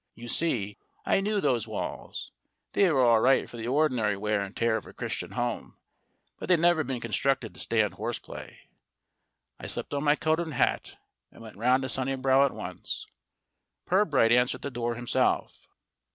You see, I knew those walls. They were all right for the ordinary wear and tear of a Christian home, but they'd never been constructed to stand horseplay. I slipped on my coat and hat, and went round to Sunnibrow at once. Pirbright answered the door himself.